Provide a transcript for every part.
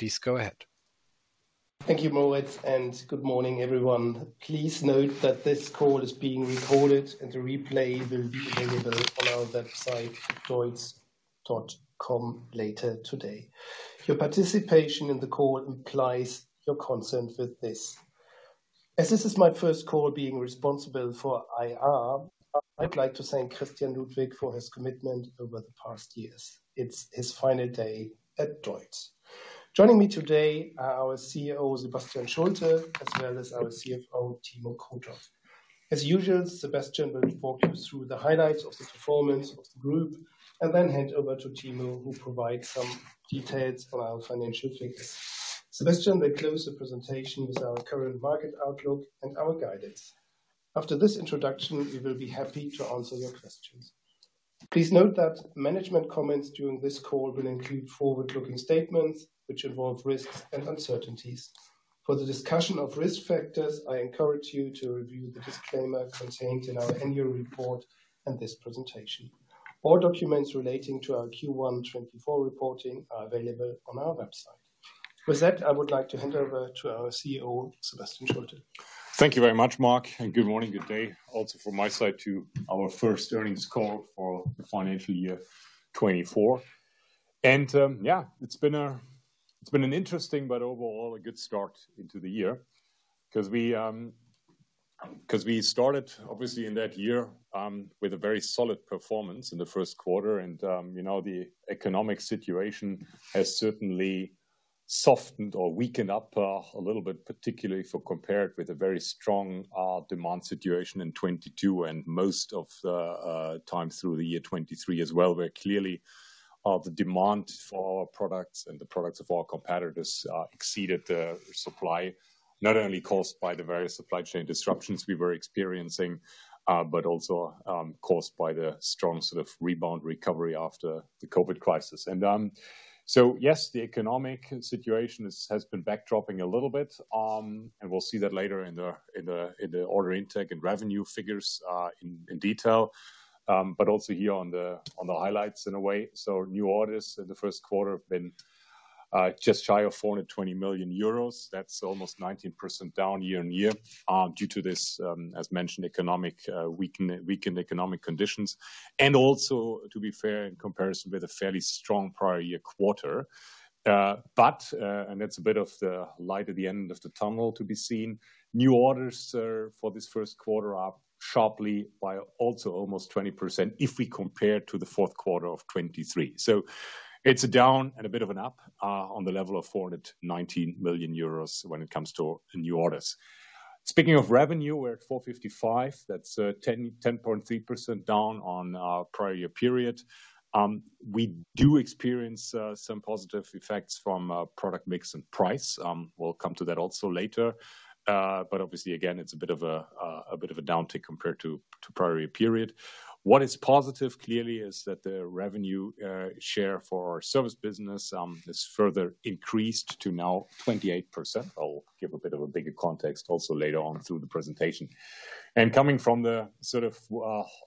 Please go ahead. Thank you, Moritz, and good morning, everyone. Please note that this call is being recorded and the replay will be available on our website, deutz.com, later today. Your participation in the call implies your consent with this. As this is my first call being responsible for IR, I'd like to thank Christian Ludwig for his commitment over the past years. It's his final day at DEUTZ. Joining me today are our CEO, Sebastian Schulte, as well as our CFO, Timo Krutoff. As usual, Sebastian will walk you through the highlights of the performance of the group, and then hand over to Timo, who will provide some details on our financial figures. Sebastian will close the presentation with our current market outlook and our guidance. After this introduction, we will be happy to answer your questions. Please note that management comments during this call will include forward-looking statements, which involve risks and uncertainties. For the discussion of risk factors, I encourage you to review the disclaimer contained in our annual report and this presentation. All documents relating to our Q1 2024 reporting are available on our website. With that, I would like to hand over to our CEO, Sebastian Schulte. Thank you very much, Mark, and good morning, good day also from my side to our first earnings call for the financial year 2024. Yeah, it's been an interesting but overall a good start into the year. 'Cause we started obviously in that year with a very solid performance in the first quarter, and you know, the economic situation has certainly softened or weakened up a little bit, particularly for compared with a very strong demand situation in 2022 and most of the times through the year 2023 as well, where clearly the demand for our products and the products of our competitors exceeded the supply. Not only caused by the various supply chain disruptions we were experiencing, but also caused by the strong sort of rebound recovery after the COVID crisis. So yes, the economic situation is, has been backdropping a little bit, and we'll see that later in the order intake and revenue figures in detail, but also here on the highlights in a way. New orders in the first quarter have been just shy of 420 million euros. That's almost 19% down year-on-year, due to this, as mentioned, economic weakened economic conditions, and also, to be fair, in comparison with a fairly strong prior year quarter. But, and it's a bit of the light at the end of the tunnel to be seen, new orders for this first quarter are sharply by also almost 20% if we compare to the fourth quarter of 2023. So it's a down and a bit of an up, on the level of 419 million euros when it comes to new orders. Speaking of revenue, we're at 455 million. That's, 10.3% down on our prior year period. We do experience, some positive effects from, product mix and price. We'll come to that also later. But obviously, again, it's a bit of a, a bit of a downtick compared to, to prior year period. What is positive, clearly, is that the revenue, share for our service business, is further increased to now 28%. I'll give a bit of a bigger context also later on through the presentation. Coming from the sort of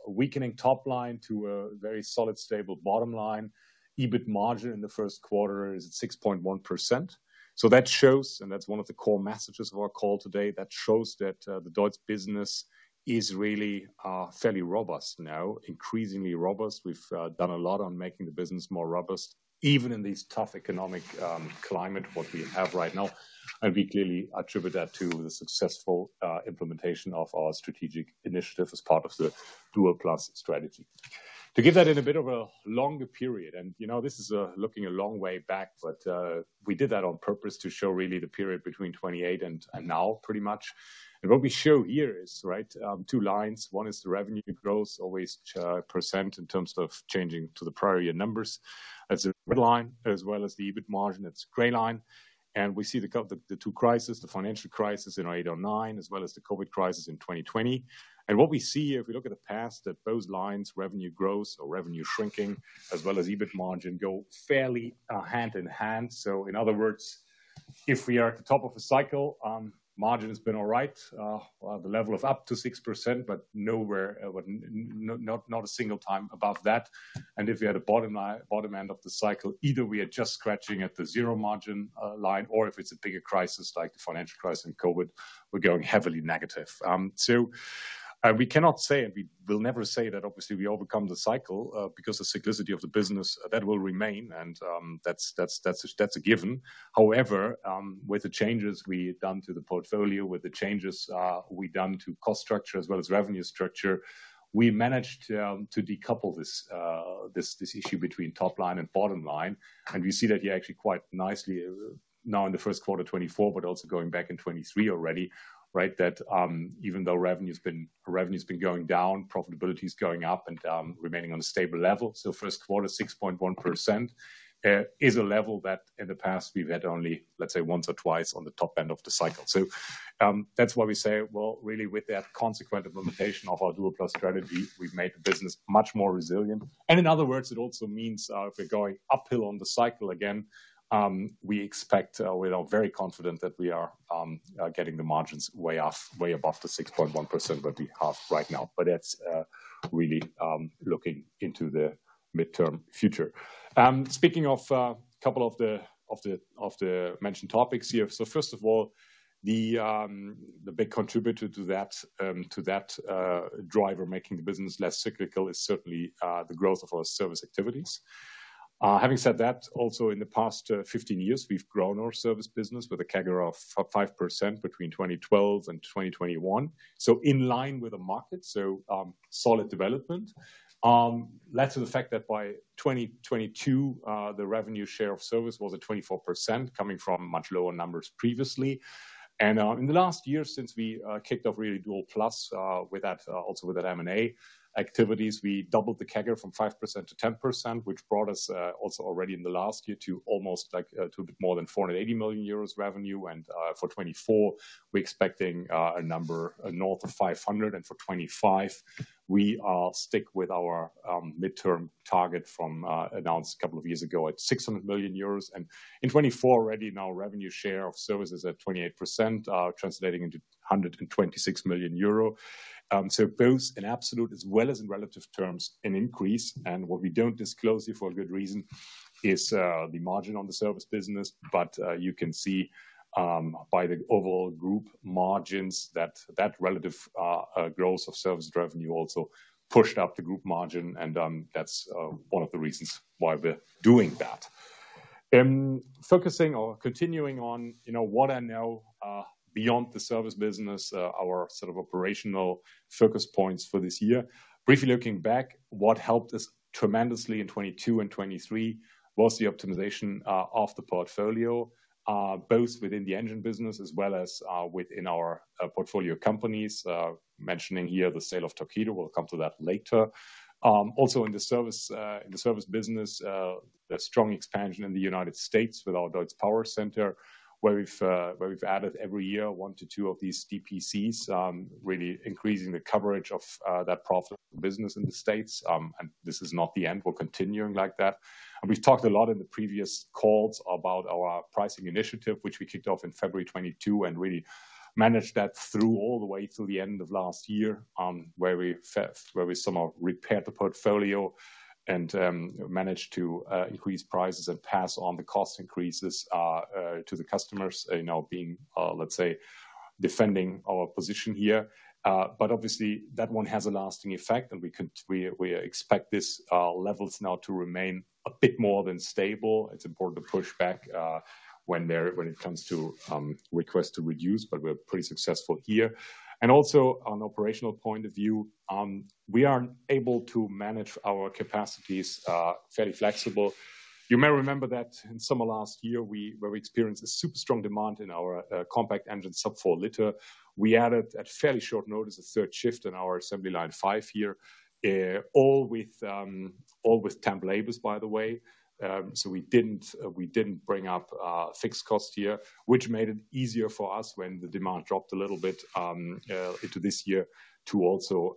weakening top line to a very solid, stable bottom line, EBIT margin in the first quarter is at 6.1%. So that shows, and that's one of the core messages of our call today, that shows that the DEUTZ business is really fairly robust now, increasingly robust. We've done a lot on making the business more robust, even in this tough economic climate what we have right now, and we clearly attribute that to the successful implementation of our strategic initiative as part of the Dual+ strategy. To give that in a bit of a longer period, and you know, this is looking a long way back, but we did that on purpose to show really the period between 1928 and now, pretty much. What we show here is, right, two lines. One is the revenue growth, always, % in terms of changing to the prior year numbers. That's a red line, as well as the EBIT margin, that's gray line. We see the two crises, the financial crisis in 2008, 2009, as well as the COVID crisis in 2020. What we see here, if we look at the past, that those lines, revenue growth or revenue shrinking, as well as EBIT margin, go fairly hand in hand. So in other words, if we are at the top of the cycle, margin has been all right, the level of up to 6%, but nowhere, not a single time above that. If we are at the bottom end of the cycle, either we are just scratching at the zero margin line, or if it's a bigger crisis, like the financial crisis and COVID, we're going heavily negative. We cannot say, and we will never say that obviously we overcome the cycle, because the cyclicity of the business, that will remain and that's a given. However, with the changes we've done to the portfolio, with the changes we've done to cost structure as well as revenue structure, we managed to decouple this issue between top line and bottom line. We see that here actually quite nicely now in the first quarter 2024, but also going back in 2023 already, right? That even though revenue's been, revenue's been going down, profitability is going up and remaining on a stable level. So first quarter, 6.1% is a level that in the past we've had only, let's say, once or twice on the top end of the cycle. So that's why we say, well, really with that consequent implementation of our Dual+ strategy, we've made the business much more resilient. And in other words, it also means if we're going uphill on the cycle again, we expect, we are very confident that we are getting the margins way off, way above the 6.1% that we have right now. But that's really looking into the midterm future. Speaking of a couple of the mentioned topics here. So first of all, the big contributor to that driver making the business less cyclical is certainly the growth of our service activities. Having said that, also in the past 15 years, we've grown our service business with a CAGR of 5% between 2012 and 2021. So in line with the market, so solid development. Led to the fact that by 2022, the revenue share of service was at 24%, coming from much lower numbers previously. And in the last year, since we kicked off really Dual+, with that also with that M&A activities, we doubled the CAGR from 5%-10%, which brought us also already in the last year, to almost like to more than 480 million euros revenue. For 2024, we're expecting a number north of 500, and for 2025, we stick with our midterm target from announced a couple of years ago at 600 million euros. And in 2024, already now our revenue share of services at 28%, translating into 126 million euro. So both in absolute as well as in relative terms, an increase, and what we don't disclose here for a good reason is the margin on the service business. But you can see by the overall group margins that that relative growth of service revenue also pushed up the group margin, and that's one of the reasons why we're doing that. Focusing or continuing on, you know, what are now beyond the service business, our sort of operational focus points for this year. Briefly looking back, what helped us tremendously in 2022 and 2023 was the optimization of the portfolio, both within the engine business as well as within our portfolio companies. Mentioning here, the sale of Torqeedo, we'll come to that later. Also in the service, in the service business, a strong expansion in the United States with our DEUTZ Power Center, where we've where we've added every year, one to two of these DPCs, really increasing the coverage of that profit business in the States. And this is not the end. We're continuing like that. And we've talked a lot in the previous calls about our pricing initiative, which we kicked off in February 2022, and really managed that through all the way till the end of last year, where we somehow repaired the portfolio and, managed to, increase prices and pass on the cost increases, to the customers, you know, being, let's say, defending our position here. But obviously, that one has a lasting effect, and we, we expect this levels now to remain a bit more than stable. It's important to push back, when there-- when it comes to, requests to reduce, but we're pretty successful here. And also, on operational point of view, we are able to manage our capacities, fairly flexible. You may remember that in summer last year, we experienced a super strong demand in our compact engine sub-four-liter. We added, at fairly short notice, a third shift in our assembly line five here, all with temp labors, by the way. So we didn't bring up fixed costs here, which made it easier for us when the demand dropped a little bit into this year, to also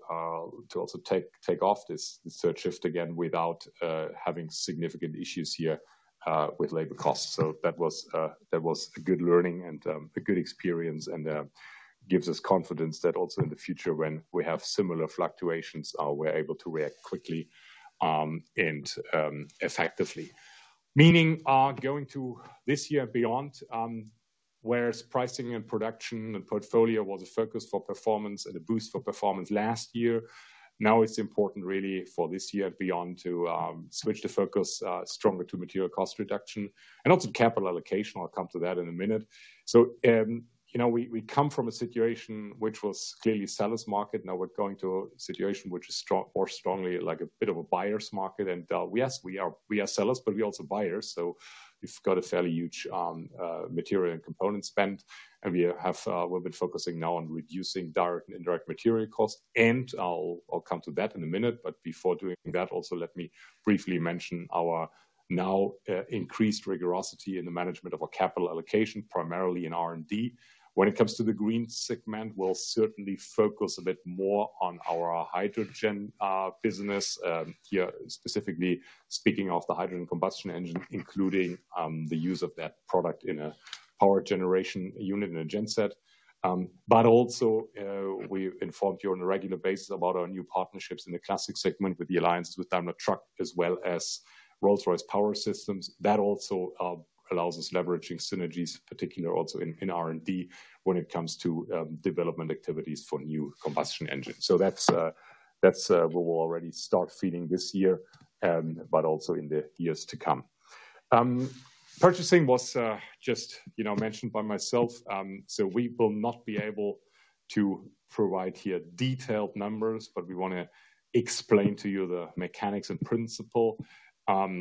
take off this third shift again without having significant issues here with labor costs. So that was a good learning and a good experience, and gives us confidence that also in the future, when we have similar fluctuations, we're able to react quickly and effectively. Meaning, going to this year and beyond, whereas pricing and production and portfolio was a focus for performance and a boost for performance last year, now it's important really for this year and beyond to switch the focus stronger to material cost reduction and also capital allocation. I'll come to that in a minute. So, you know, we come from a situation which was clearly seller's market. Now we're going to a situation which is more strongly like a bit of a buyer's market. And, yes, we are sellers, but we are also buyers, so we've got a fairly huge material and component spend, and we have... We've been focusing now on reducing direct and indirect material costs, and I'll come to that in a minute. But before doing that, also let me briefly mention our now increased rigorosity in the management of our capital allocation, primarily in R&D. When it comes to the green segment, we'll certainly focus a bit more on our hydrogen business here, specifically speaking of the hydrogen combustion engine, including the use of that product in a power generation unit, in a genset. But also, we've informed you on a regular basis about our new partnerships in the classic segment with the alliances with Daimler Truck, as well as Rolls-Royce Power Systems. That also allows us leveraging synergies, particularly also in R&D when it comes to development activities for new combustion engines. So that's, that's we will already start seeing this year, but also in the years to come. Purchasing was just, you know, mentioned by myself. So we will not be able to provide here detailed numbers, but we wanna explain to you the mechanics and principle.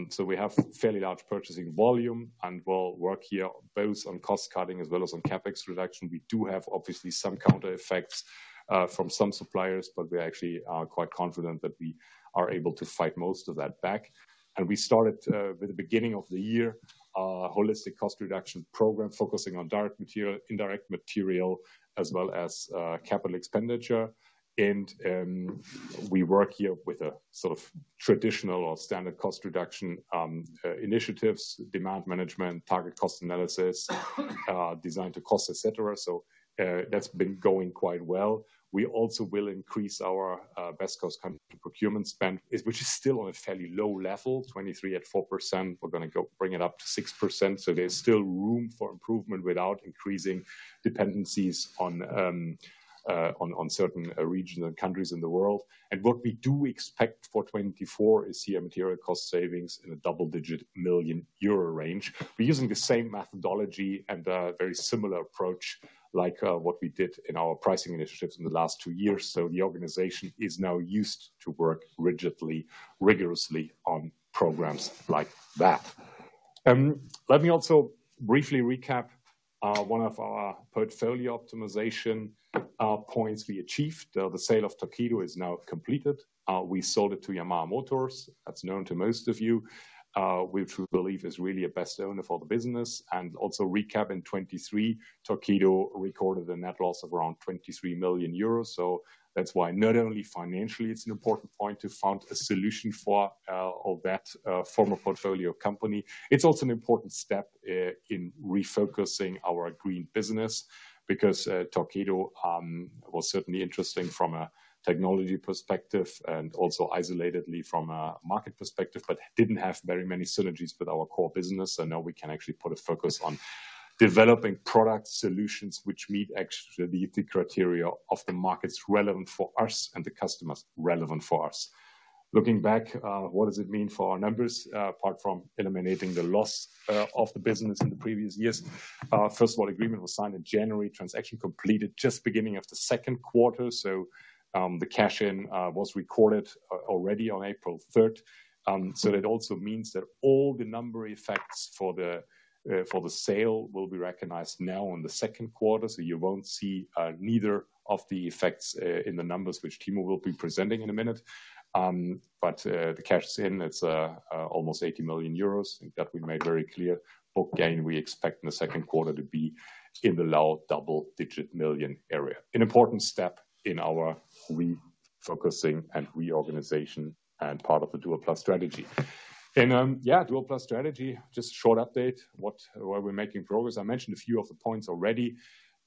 So we have fairly large purchasing volume, and we'll work here both on cost cutting as well as on CapEx reduction. We do have, obviously, some counter effects from some suppliers, but we actually are quite confident that we are able to fight most of that back. And we started with the beginning of the year, a holistic cost reduction program, focusing on direct material, indirect material, as well as capital expenditure. We work here with a sort of traditional or standard cost reduction initiatives, demand management, target cost analysis, design to cost, et cetera. So that's been going quite well. We also will increase our best cost country procurement spend, which is still on a fairly low level, 2023 at 4%. We're gonna go bring it up to 6%, so there's still room for improvement without increasing dependencies on certain regional countries in the world. And what we do expect for 2024 is see a material cost savings in a double-digit million euro range. We're using the same methodology and very similar approach, like what we did in our pricing initiatives in the last two years. So the organization is now used to work rigidly, rigorously on programs like that. Let me also briefly recap one of our portfolio optimization points we achieved. The sale of Torqeedo is now completed. We sold it to Yamaha Motors, that's known to most of you, which we believe is really a best owner for the business. And also recap in 2023, Torqeedo recorded a net loss of around 23 million euros. So that's why not only financially, it's an important point to find a solution for all that former portfolio company. It's also an important step in refocusing our green business, because Torqeedo was certainly interesting from a technology perspective and also isolatedly from a market perspective, but didn't have very many synergies with our core business. And now we can actually put a focus on developing product solutions which meet actually the criteria of the markets relevant for us and the customers relevant for us. Looking back, what does it mean for our numbers, apart from eliminating the loss of the business in the previous years? First of all, agreement was signed in January, transaction completed just beginning of the second quarter. So, the cash-in was recorded already on April 3rd. So it also means that all the number effects for the sale will be recognized now in the second quarter. So you won't see neither of the effects in the numbers, which Timo will be presenting in a minute. But the cash is in, it's almost 80 million euros, and that we made very clear. Book gain, we expect in the second quarter to be in the low double-digit million area. An important step in our refocusing and reorganization, and part of the Dual+ strategy. Dual+ strategy, just a short update. Where we're making progress. I mentioned a few of the points already.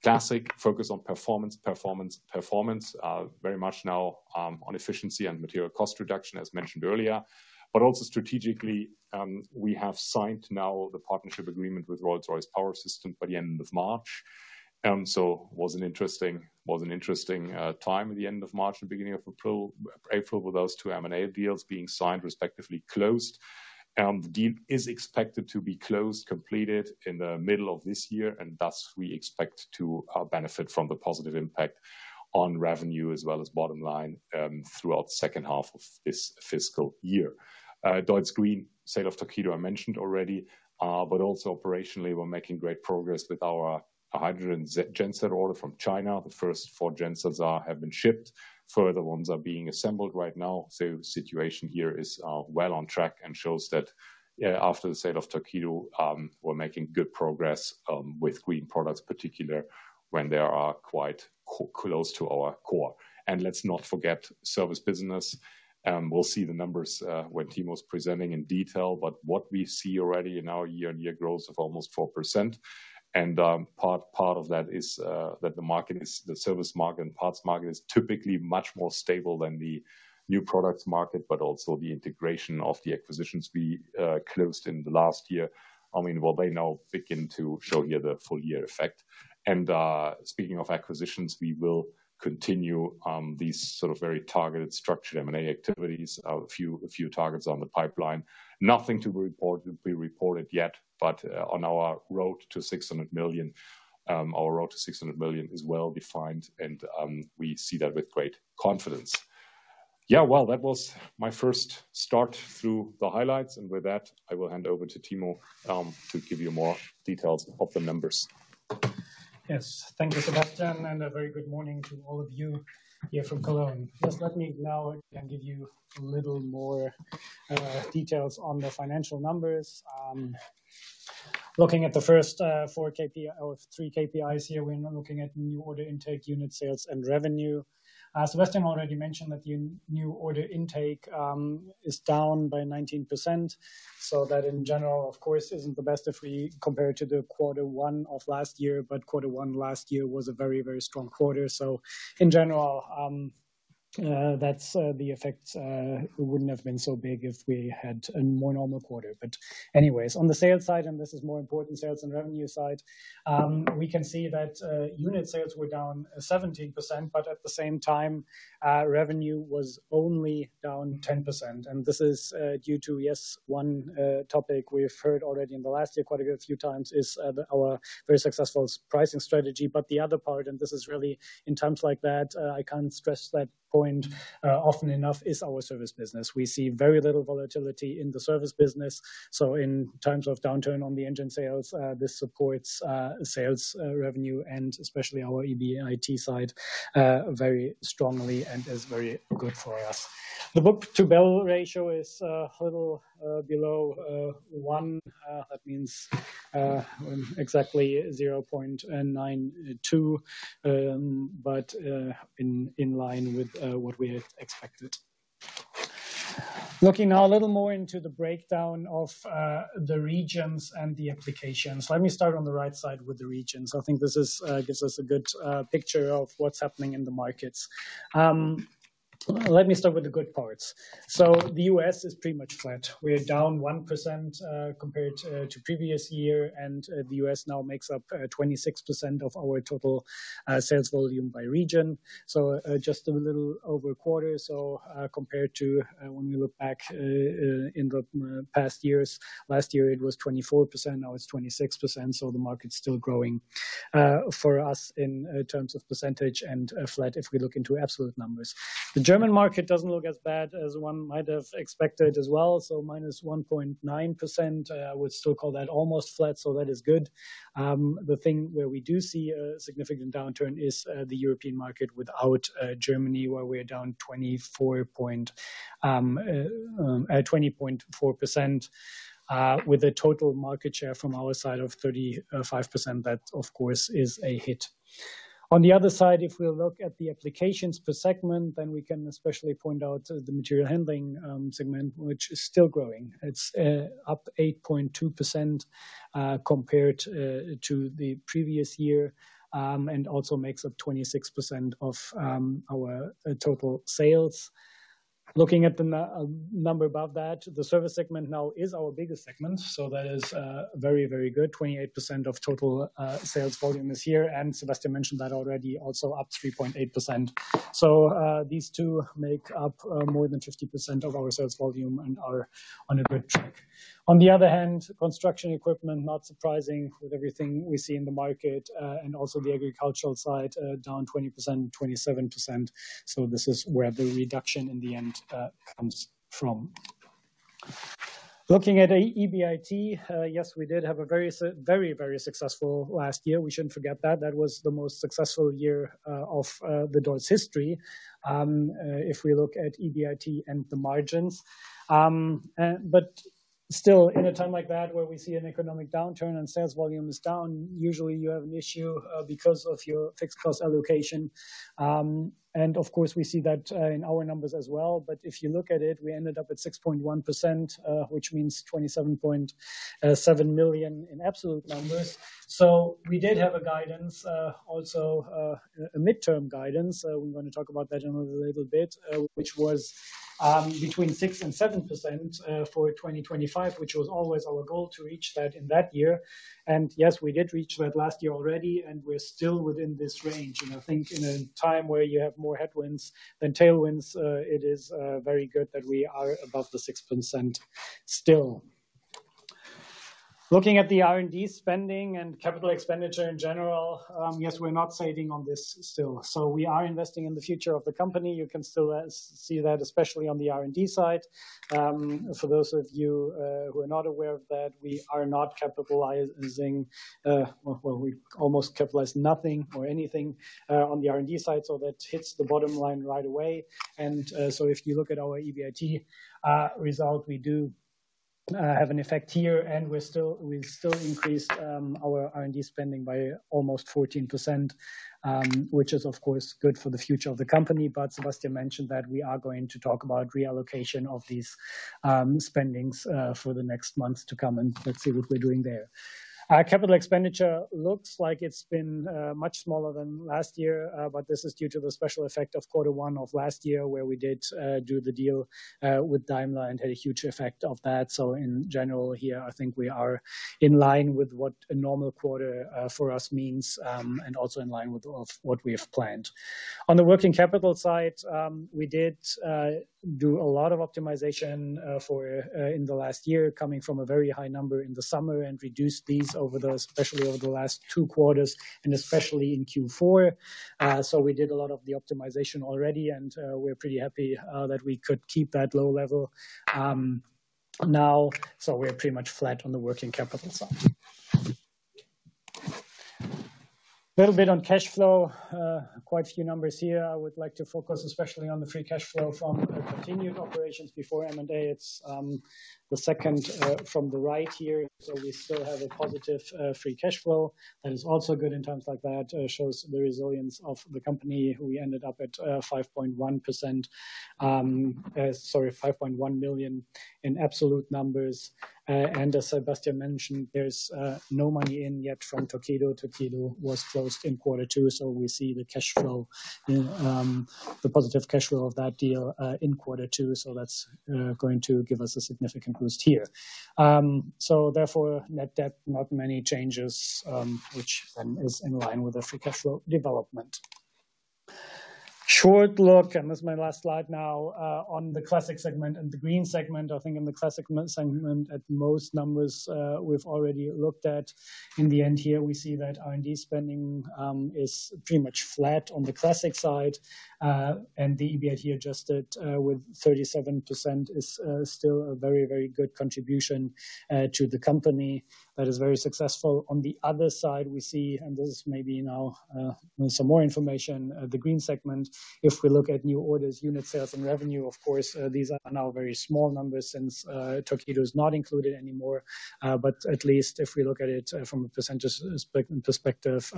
Classic focus on performance, performance, performance, very much now on efficiency and material cost reduction, as mentioned earlier. But also strategically, we have signed now the partnership agreement with Rolls-Royce Power Systems by the end of March. So was an interesting time at the end of March and beginning of April with those two M&A deals being signed, respectively, closed. The deal is expected to be closed, completed in the middle of this year, and thus, we expect to benefit from the positive impact on revenue as well as bottom line throughout the second half of this fiscal year. DEUTZ Green sale of Torqeedo, I mentioned already, but also operationally, we're making great progress with our hydrogen genset order from China. The first four gensets are, have been shipped. Further ones are being assembled right now, so situation here is, well on track and shows that, after the sale of Torqeedo, we're making good progress, with green products, particularly when they are quite close to our core. And let's not forget, service business, we'll see the numbers, when Timo's presenting in detail, but what we see already in our year-on-year growth of almost 4%, and, part of that is, that the market is the service market and parts market is typically much more stable than the new products market, but also the integration of the acquisitions we, closed in the last year. I mean, well, they now begin to show here the full year effect. And, speaking of acquisitions, we will continue these sort of very targeted, structured M&A activities, a few, a few targets on the pipeline. Nothing to report, to be reported yet, but on our road to 600 million, our road to 600 million is well-defined, and we see that with great confidence. Yeah, well, that was my first start through the highlights, and with that, I will hand over to Timo to give you more details of the numbers. Yes. Thank you, Sebastian, and a very good morning to all of you here from Cologne. Just let me now give you a little more details on the financial numbers. Looking at the first four KPIs or three KPIs here, we're now looking at new order intake, unit sales, and revenue. Sebastian already mentioned that the new order intake is down by 19%, so that in general, of course, isn't the best if we compare to the quarter one of last year, but quarter one last year was a very, very strong quarter. So in general, that's the effects wouldn't have been so big if we had a more normal quarter. But anyways, on the sales side, and this is more important, sales and revenue side, we can see that, unit sales were down 17%, but at the same time, revenue was only down 10%. And this is due to, yes, one topic we've heard already in the last quarter a few times is, our very successful pricing strategy. But the other part, and this is really in times like that, I can't stress that point often enough, is our service business. We see very little volatility in the service business, so in times of downturn on the engine sales, this supports sales, revenue, and especially our EBIT side very strongly and is very good for us. The book-to-bill ratio is a little below one. That means exactly 0.92, but in line with what we had expected. Looking now a little more into the breakdown of the regions and the applications. Let me start on the right side with the regions. I think this gives us a good picture of what's happening in the markets. Let me start with the good parts. So the U.S. is pretty much flat. We're down 1% compared to previous year, and the U.S. now makes up 26% of our total sales volume by region, so just a little over a quarter. So, compared to, when we look back, in the past years, last year it was 24%, now it's 26%, so the market's still growing, for us in terms of percentage and flat if we look into absolute numbers. The German market doesn't look as bad as one might have expected as well, so minus 1.9%. I would still call that almost flat, so that is good. The thing where we do see a significant downturn is, the European market without Germany, where we are down 20.4%, with a total market share from our side of 35%. That, of course, is a hit. On the other side, if we look at the applications per segment, then we can especially point out the material handling segment, which is still growing. It's up 8.2%, compared to the previous year, and also makes up 26% of our total sales. Looking at the number above that, the service segment now is our biggest segment, so that is very, very good. 28% of total sales volume is here, and Sebastian mentioned that already, also up 3.8%. So, these two make up more than 50% of our sales volume and are on a good track. On the other hand, construction equipment, not surprising with everything we see in the market, and also the agricultural side, down 20%, 27%, so this is where the reduction in the end comes from. Looking at EBIT, yes, we did have a very, very successful last year. We shouldn't forget that. That was the most successful year of DEUTZ's history, if we look at EBIT and the margins. But still, in a time like that, where we see an economic downturn and sales volume is down, usually you have an issue because of your fixed cost allocation. And of course, we see that in our numbers as well. But if you look at it, we ended up at 6.1%, which means 27.7 million in absolute numbers. So we did have a guidance, also a midterm guidance. We're going to talk about that in a little bit, which was between 6% and 7% for 2025, which was always our goal to reach that in that year. And yes, we did reach that last year already, and we're still within this range. And I think in a time where you have more headwinds than tailwinds, it is very good that we are above the 6% still. Looking at the R&D spending and capital expenditure in general, yes, we're not saving on this still. So we are investing in the future of the company. You can still see that, especially on the R&D side. For those of you who are not aware of that, we are not capitalizing... Well, we almost capitalize nothing or anything on the R&D side, so that hits the bottom line right away. So if you look at our EBIT result, we do have an effect here, and we've still increased our R&D spending by almost 14%, which is, of course, good for the future of the company. But Sebastian mentioned that we are going to talk about reallocation of these spendings for the next months to come, and let's see what we're doing there. Our capital expenditure looks like it's been much smaller than last year, but this is due to the special effect of quarter one of last year, where we did do the deal with Daimler and had a huge effect of that. So in general, here, I think we are in line with what a normal quarter for us means, and also in line with of what we have planned. On the working capital side, we did do a lot of optimization for in the last year, coming from a very high number in the summer, and reduced these over the especially over the last two quarters, and especially in Q4. So we did a lot of the optimization already, and we're pretty happy that we could keep that low level now. So we're pretty much flat on the working capital side. A little bit on cash flow, quite a few numbers here. I would like to focus especially on the free cash flow from the continued operations before M&A. It's the second from the right here, so we still have a positive free cash flow. That is also good in times like that, shows the resilience of the company, who we ended up at 5.1 million in absolute numbers. And as Sebastian mentioned, there's no money in yet from Torqeedo. Torqeedo was closed in quarter two, so we see the cash flow, the positive cash flow of that deal, in quarter two. So that's going to give us a significant boost here. So therefore, net debt, not many changes, which then is in line with the free cash flow development. Short look, and that's my last slide now, on the classic segment and the green segment. I think in the classic segment, at most numbers, we've already looked at. In the end here, we see that R&D spending is pretty much flat on the classic side, and the EBIT adjusted with 37% is still a very, very good contribution to the company. That is very successful. On the other side, we see, and this may be now with some more information, the green segment. If we look at new orders, unit sales, and revenue, of course, these are now very small numbers since Torqeedo is not included anymore. But at least if we look at it from a percentage perspective,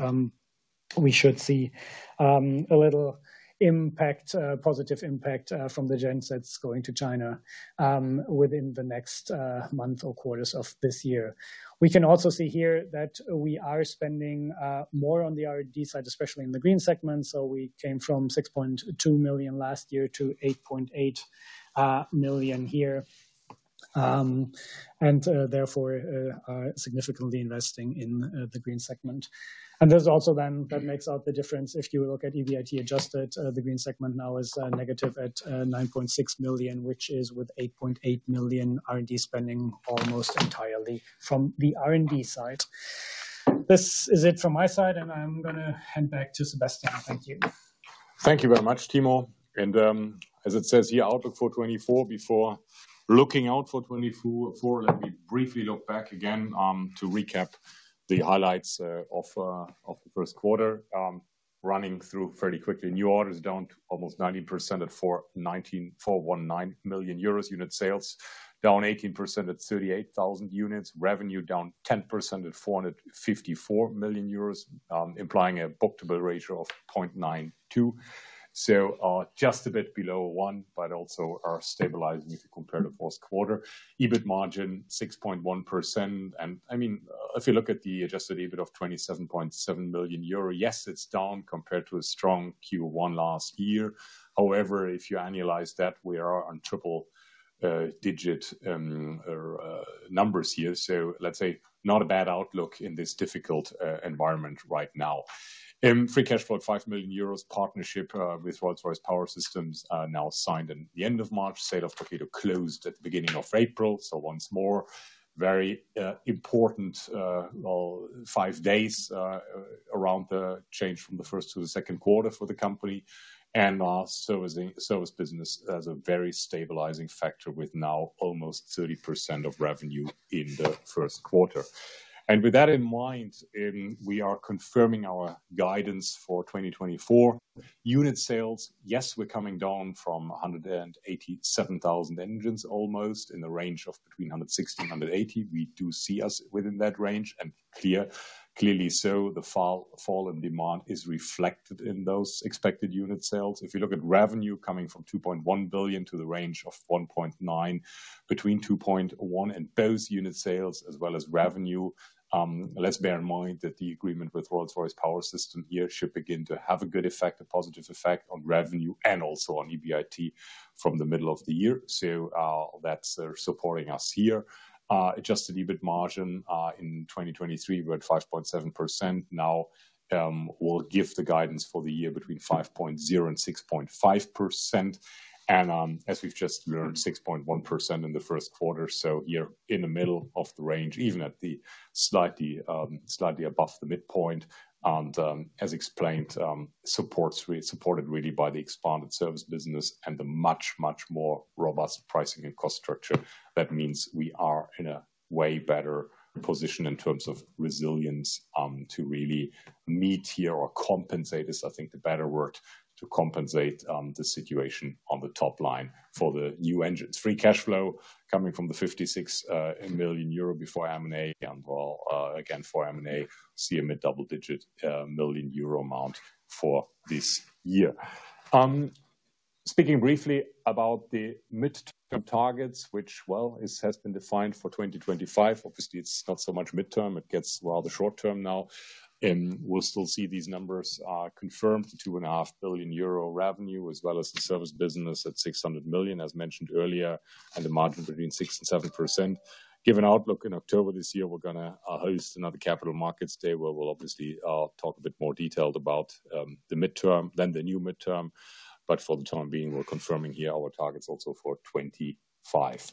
we should see a little impact, positive impact, from the gensets going to China, within the next month or quarters of this year. We can also see here that we are spending more on the R&D side, especially in the green segment. So we came from 6.2 million last year to 8.8 million here. And therefore are significantly investing in the green segment. And there's also then, that makes up the difference. If you look at EBIT adjusted, the green segment now is negative at 9.6 million, which is with 8.8 million R&D spending almost entirely from the R&D side. This is it from my side, and I'm gonna hand back to Sebastian. Thank you. Thank you very much, Timo. As it says here, outlook for 2024. Before looking out for 2024, let me briefly look back again, to recap the highlights of the first quarter. Running through fairly quickly. New orders down to almost 90% at 419 million euros. Unit sales down 18% at 38,000 units. Revenue down 10% at 454 million euros, implying a book-to-bill ratio of 0.92. So, just a bit below 1, but also are stabilizing if you compare the first quarter. EBIT margin 6.1%. And I mean, if you look at the adjusted EBIT of 27.7 million euro, yes, it's down compared to a strong Q1 last year. However, if you annualize that, we are on triple digit numbers here. So let's say, not a bad outlook in this difficult environment right now. Free cash flow, 5 million euros, partnership with Rolls-Royce Power Systems now signed in the end of March. Sale of Torqeedo closed at the beginning of April. So once more, very important, well, 5 days around the change from the first to the second quarter for the company. And our service business as a very stabilizing factor, with now almost 30% of revenue in the first quarter. And with that in mind, we are confirming our guidance for 2024. Unit sales, yes, we're coming down from 187,000 engines, almost, in the range of between 160 and 180. We do see us within that range, and clearly so, the fall in demand is reflected in those expected unit sales. If you look at revenue coming from 2.1 billion to the range of 1.9 billion-2.1 billion, and those unit sales, as well as revenue, let's bear in mind that the agreement with Rolls-Royce Power Systems here should begin to have a good effect, a positive effect on revenue and also on EBIT from the middle of the year. So, that's supporting us here. Adjusted EBIT margin in 2023, we're at 5.7%. Now, we'll give the guidance for the year between 5.0% and 6.5%. As we've just learned, 6.1% in the first quarter, so you're in the middle of the range, even slightly above the midpoint. As explained, supported really by the expanded service business and the much, much more robust pricing and cost structure. That means we are in a way better position in terms of resilience to really meet here or compensate, I think the better word is to compensate, the situation on the top line for the new engines. Free cash flow coming from the 56 million euro before M&A, and well, again, for M&A, see a mid double-digit million euro amount for this year. Speaking briefly about the midterm targets, which has been defined for 2025. Obviously, it's not so much midterm, it gets, well, the short term now. We'll still see these numbers confirmed, the 2.5 billion euro revenue, as well as the service business at 600 million, as mentioned earlier, and the margin between 6% and 7%. Give an outlook in October this year, we're gonna host another capital markets day, where we'll obviously talk a bit more detailed about the midterm, then the new midterm, but for the time being, we're confirming here our targets also for 2025.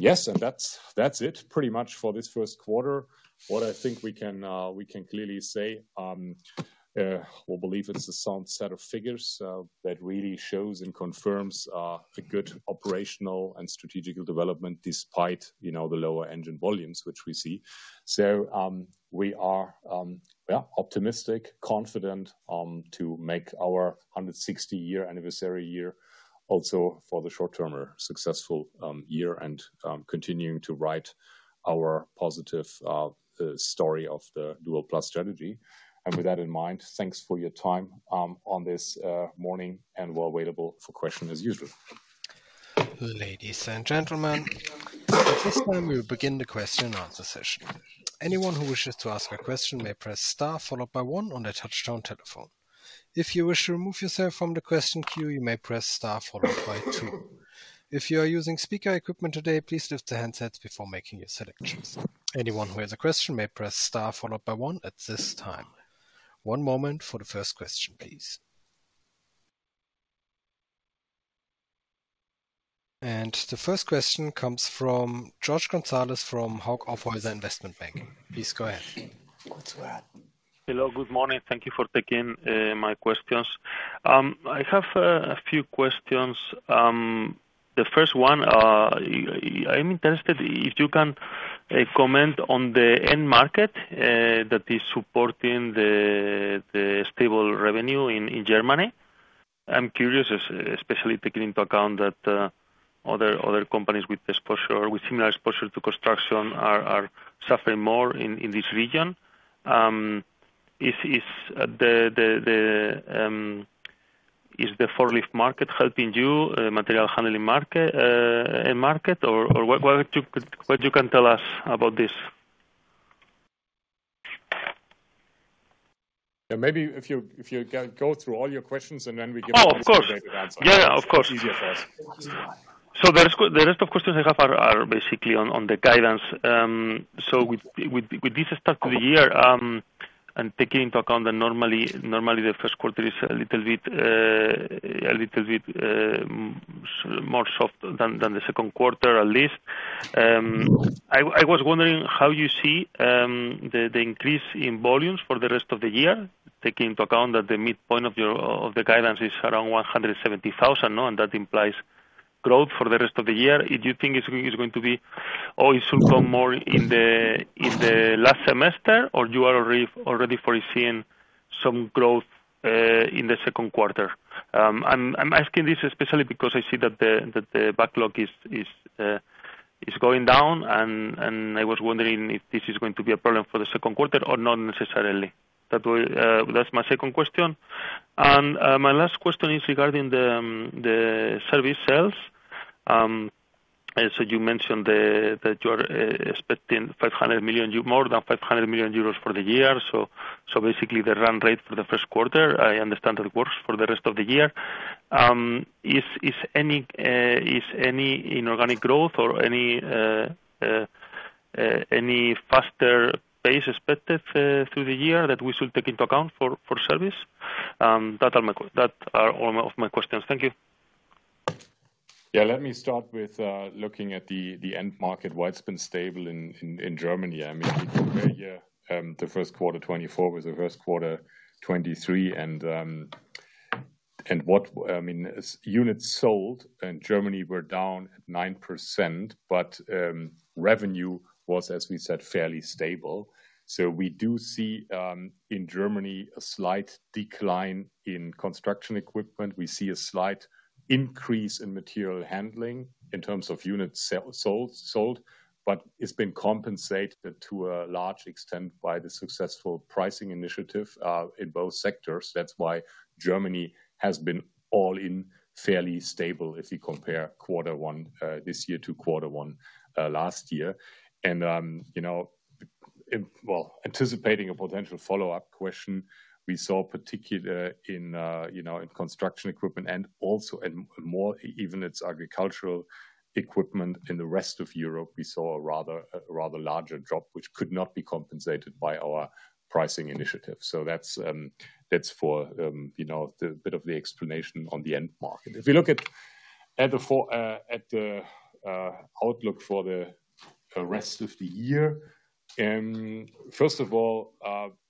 Yes, and that's, that's it, pretty much for this first quarter. What I think we can, we can clearly say, we believe it's a sound set of figures that really shows and confirms a good operational and strategic development, despite, you know, the lower engine volumes, which we see. So, we are, yeah, optimistic, confident, to make our 160-year anniversary year, also for the short term, a successful year, and continuing to write our positive story of the Dual+ strategy. And with that in mind, thanks for your time on this morning, and we're available for question, as usual. Ladies and gentlemen, at this time, we will begin the question and answer session. Anyone who wishes to ask a question may press star, followed by one on their touchtone telephone. If you wish to remove yourself from the question queue, you may press star followed by two. If you are using speaker equipment today, please lift the handsets before making your selections. Anyone who has a question may press star, followed by one at this time. One moment for the first question, please. The first question comes from Jorge González from Hauck Aufhäuser Investment Banking. Please go ahead. Hello, good morning. Thank you for taking my questions. I have a few questions. The first one, I am interested if you can comment on the end market that is supporting the stable revenue in Germany? I'm curious, especially taking into account that other companies with exposure, with similar exposure to construction are suffering more in this region. Is the forklift market helping you, material handling market? Or what you can tell us about this? Yeah, maybe if you go through all your questions and then we can. Oh, of course! Answer. Yeah, of course. Easier for us. So the rest of the questions I have are basically on the guidance. So with this start to the year, and taking into account that normally the first quarter is a little bit more soft than the second quarter, at least. I was wondering how you see the increase in volumes for the rest of the year, taking into account that the midpoint of your guidance is around 170,000, and that implies growth for the rest of the year. Do you think it's going to be, or it should come more in the last semester, or you are already foreseeing some growth in the second quarter? I'm asking this especially because I see that the backlog is going down, and I was wondering if this is going to be a problem for the second quarter or not necessarily. That's my second question. And my last question is regarding the service sales. So you mentioned that you are expecting more than 500 million euros for the year, so basically the run rate for the first quarter, I understand that it works for the rest of the year. Is any inorganic growth or any faster pace expected through the year that we should take into account for service? Those are all of my questions. Thank you. Yeah, let me start with looking at the end market, why it's been stable in Germany. I mean, the first quarter, 2024, was the first quarter, 2023, and what... I mean, units sold in Germany were down at 9%, but revenue was, as we said, fairly stable. So we do see in Germany, a slight decline in construction equipment. We see a slight increase in material handling in terms of units sold, but it's been compensated to a large extent by the successful pricing initiative in both sectors. That's why Germany has been all in fairly stable, if you compare quarter one this year to quarter one last year. Well, anticipating a potential follow-up question, we saw, particularly in, you know, in construction equipment and also in more even its agricultural equipment in the rest of Europe, we saw a rather larger drop, which could not be compensated by our pricing initiative. So that's for, you know, the bit of the explanation on the end market. If you look at the outlook for the rest of the year, first of all,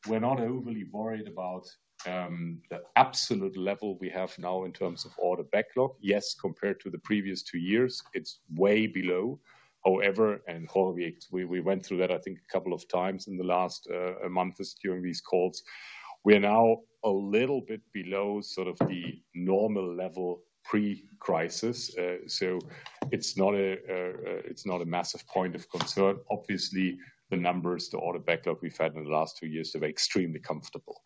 we're not overly worried about the absolute level we have now in terms of order backlog. Yes, compared to the previous two years, it's way below. However, we all went through that, I think, a couple of times in the last month, just during these calls. We are now a little bit below sort of the normal level, pre-crisis. So it's not a massive point of concern. Obviously, the numbers, the order backlog we've had in the last two years have extremely comfortable.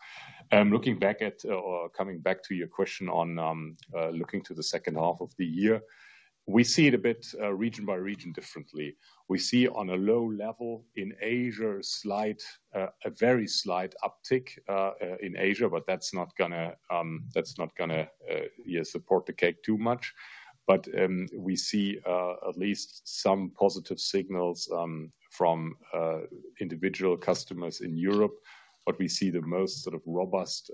Looking back at or coming back to your question on looking to the second half of the year, we see it a bit region by region differently. We see on a low level in Asia, a slight a very slight uptick in Asia, but that's not gonna, that's not gonna support the cake too much. But we see at least some positive signals from individual customers in Europe, but we see the most sort of robust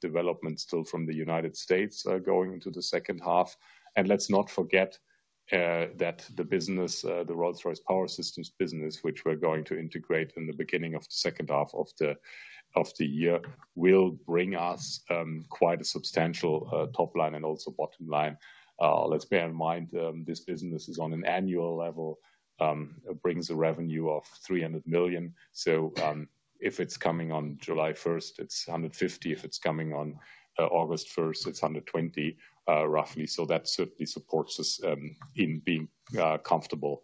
development still from the United States going into the second half. And let's not forget that the business, the Rolls-Royce Power Systems business, which we're going to integrate in the beginning of the second half of the year, will bring us quite a substantial top line and also bottom line. Let's bear in mind, this business is on an annual level, it brings a revenue of 300 million. So, if it's coming on July first, it's 150 million. If it's coming on August first, it's 120 million roughly. So that certainly supports us in being comfortable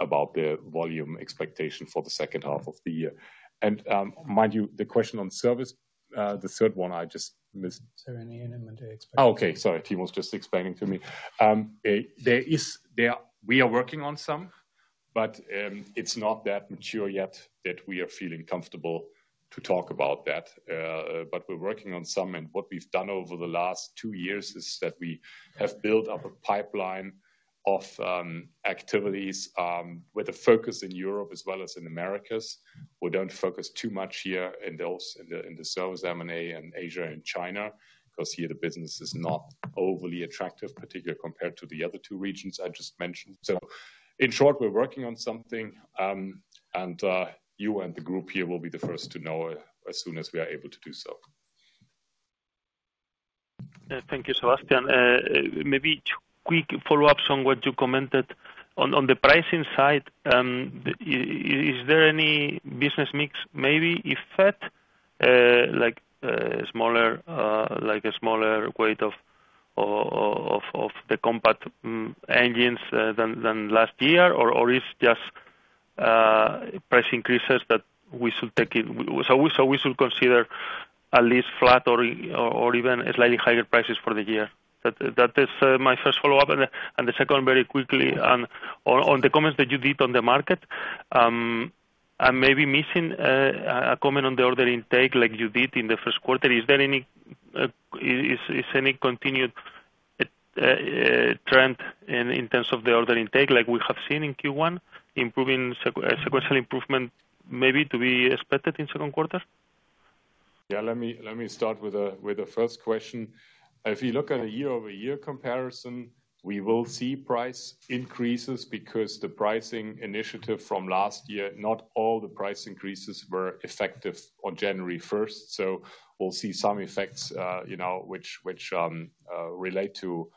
about the volume expectation for the second half of the year. And mind you, the question on service, the third one I just missed. Okay, sorry. He was just explaining to me. There we are working on some, but it's not that mature yet that we are feeling comfortable to talk about that, but we're working on some, and what we've done over the last two years is that we have built up a pipeline of activities with a focus in Europe as well as in Americas. We don't focus too much here in those, in the service, M&A, and Asia and China, 'cause here the business is not overly attractive, particularly compared to the other two regions I just mentioned. So in short, we're working on something, and you and the group here will be the first to know as soon as we are able to do so. Thank you, Sebastian. Maybe quick follow-up on what you commented. On the pricing side, is there any business mix, maybe effect, like a smaller weight of the compact engines than last year? Or is just price increases that we should take in? So we should consider at least flat or even slightly higher prices for the year. That is my first follow-up. And the second, very quickly, on the comments that you did on the market, I may be missing a comment on the order intake like you did in the first quarter. Is there any continued trend in terms of the order intake, like we have seen in Q1, improving sequential improvement, maybe to be expected in second quarter? Yeah, let me start with the first question. If you look at a year-over-year comparison, we will see price increases because the pricing initiative from last year, not all the price increases were effective on January first. So we'll see some effects, you know, which relate to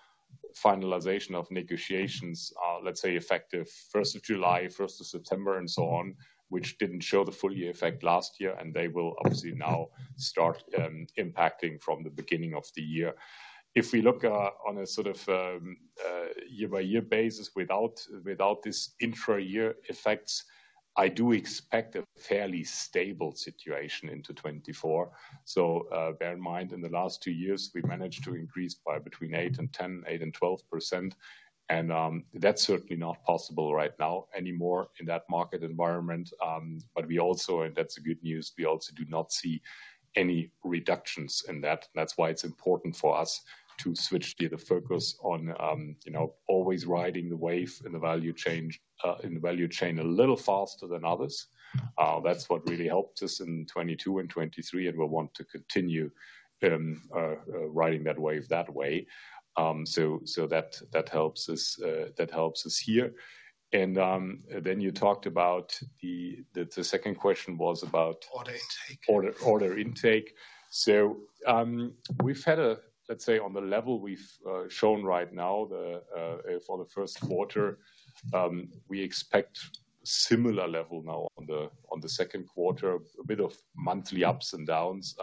finalization of negotiations, let's say, effective first of July, first of September, and so on, which didn't show the full year effect last year, and they will obviously now start impacting from the beginning of the year. If we look on a sort of year-by-year basis without this intra-year effects, I do expect a fairly stable situation into 2024. So, bear in mind, in the last two years, we managed to increase by between 8% and 10%, 8% and 12%, and that's certainly not possible right now anymore in that market environment. But we also, and that's the good news, we also do not see any reductions in that. That's why it's important for us to switch the focus on, you know, always riding the wave in the value chain, in the value chain a little faster than others. That's what really helped us in 2022 and 2023, and we'll want to continue riding that wave that way. So, that helps us, that helps us here. And then you talked about the second question was about order intake. Order intake. So, we've had a, let's say, on the level we've shown right now, the, for the first quarter, we expect similar level now on the, on the second quarter. A bit of monthly ups and downs,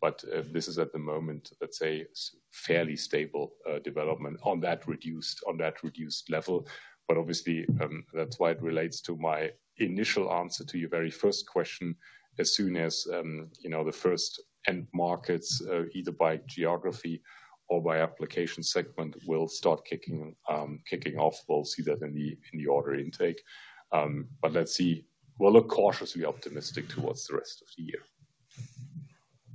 but this is at the moment, let's say, fairly stable development on that reduced, on that reduced level. But obviously, that's why it relates to my initial answer to your very first question. As soon as, you know, the first end markets, either by geography or by application segment, will start kicking, kicking off, we'll see that in the, in the order intake. But let's see. We'll look cautiously optimistic towards the rest of the year.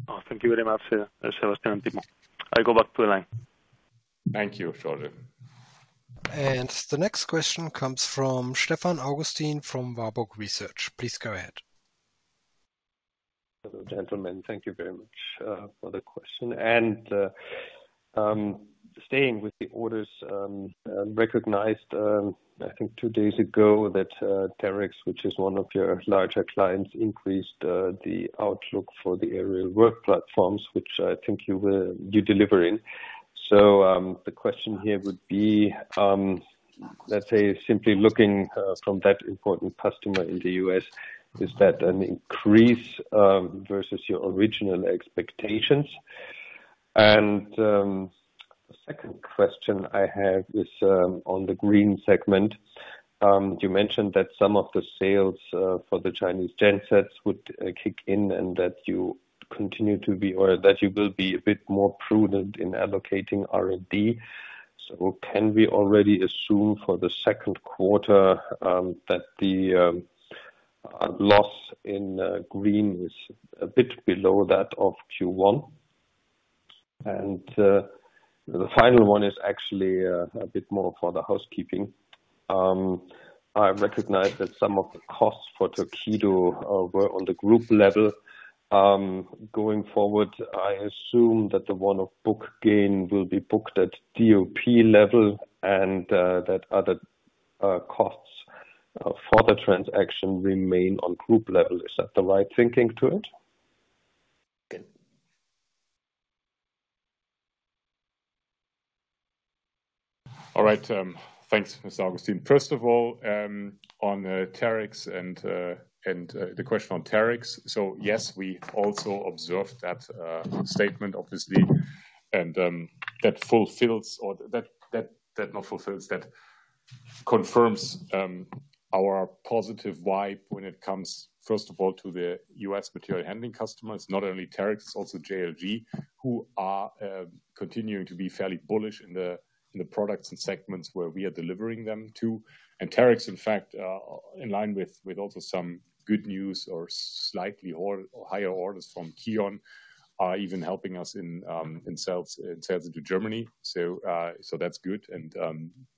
Oh, thank you very much, Sebastian and Timo. I go back to the line. Thank you, Jorge. The next question comes from Stefan Augustin from Warburg Research. Please go ahead. Hello, gentlemen. Thank you very much for the question. Staying with the orders, I think two days ago that Terex, which is one of your larger clients, increased the outlook for the aerial work platforms, which I think you're delivering. So the question here would be, let's say, simply looking from that important customer in the U.S., is that an increase versus your original expectations? And the second question I have is on the green segment. You mentioned that some of the sales for the Chinese gen sets would kick in, and that you continue to be, or that you will be a bit more prudent in allocating R&D. So can we already assume for the second quarter that the loss in green was a bit below that of Q1? The final one is actually a bit more for the housekeeping. I recognize that some of the costs for Torqeedo were on the group level. Going forward, I assume that the one-off book gain will be booked at DOP level, and that other costs for the transaction remain on group level. Is that the right thinking to it? All right, thanks, Mr. Augustin. First of all, on Terex and the question on Terex. So yes, we also observed that statement, obviously, and that confirms our positive vibe when it comes, first of all, to the U.S. material handling customers. Not only Terex, it's also JLG, who are continuing to be fairly bullish in the products and segments where we are delivering them to. And Terex, in fact, in line with also some good news or slightly higher orders from Kion, are even helping us in sales into Germany. So, so that's good, and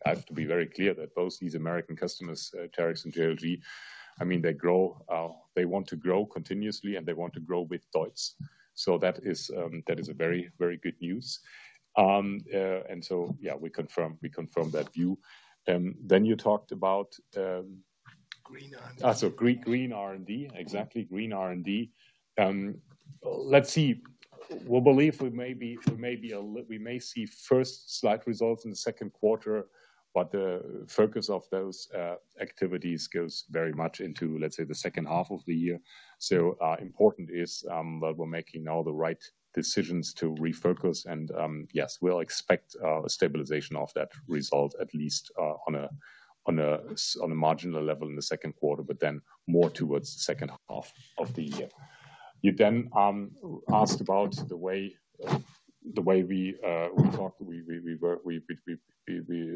I have to be very clear that both these American customers, Terex and JLG, I mean, they grow, they want to grow continuously, and they want to grow with Deutz. So that is, that is a very, very good news. And so yeah, we confirm, we confirm that view. Then you talked about Green R&D? Ah, so green R&D. Exactly, green R&D. Let's see. We believe we may see first slight results in the second quarter, but the focus of those activities goes very much into, let's say, the second half of the year. So, important is that we're making now the right decisions to refocus and, yes, we'll expect a stabilization of that result, at least, on a marginal level in the second quarter, but then more towards the second half of the year. You then asked about the way we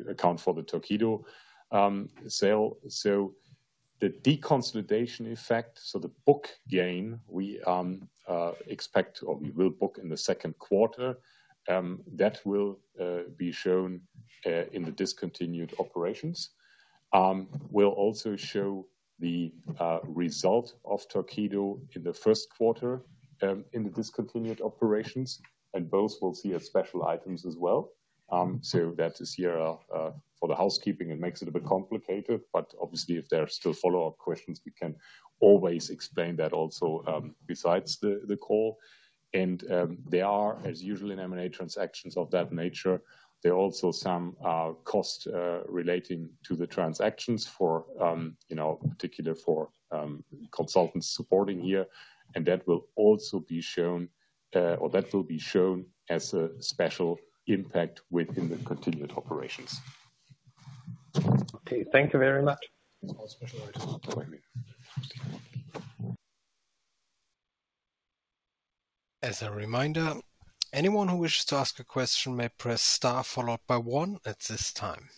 account for the Torqeedo sale. So the deconsolidation effect, so the book gain, we expect or we will book in the second quarter, that will be shown in the discontinued operations. We'll also show the result of Torqeedo in the first quarter in the discontinued operations, and both we'll see as special items as well. So that is here for the housekeeping. It makes it a bit complicated, but obviously, if there are still follow-up questions, we can always explain that also besides the call. And there are, as usually in M&A transactions of that nature, also some cost relating to the transactions for, you know, particular for consultants supporting here, and that will also be shown as a special impact within the continued operations. Okay, thank you very much. It's all special items. As a reminder, anyone who wishes to ask a question may press star followed by one at this time.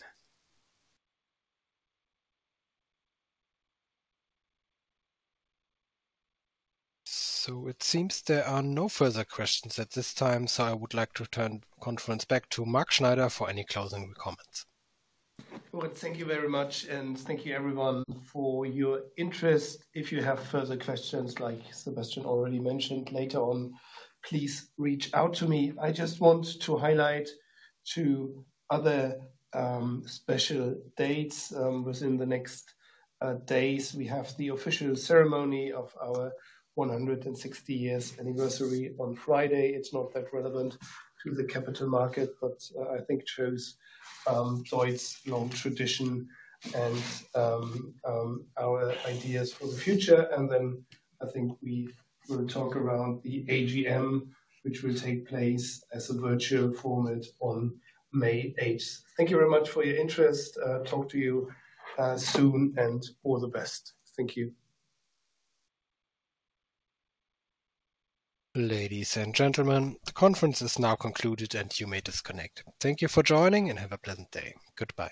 So it seems there are no further questions at this time, so I would like to return the conference back to Mark Schneider for any closing comments. Well, thank you very much, and thank you everyone for your interest. If you have further questions, like Sebastian already mentioned later on, please reach out to me. I just want to highlight two other special dates. Within the next days, we have the official ceremony of our 160-year anniversary on Friday. It's not that relevant to the capital market, but I think shows DEUTZ's long tradition and our ideas for the future. Then I think we will talk around the AGM, which will take place as a virtual format on May 8. Thank you very much for your interest. Talk to you soon, and all the best. Thank you. Ladies and gentlemen, the conference is now concluded, and you may disconnect. Thank you for joining, and have a pleasant day. Goodbye.